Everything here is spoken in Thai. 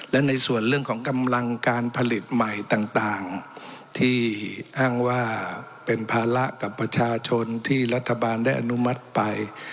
และในส่วนเรื่องของกำลังการผลิตใหม่ต่างที่อ้างว่าเป็นภาระกับประชาชนที่รัฐบาลได้อนุมัติไป